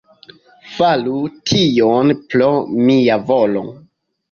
Faru tion pro mia volo.